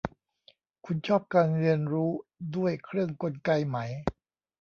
คุณชอบการเรียนรู้ด้วยเครื่องกลไกไหม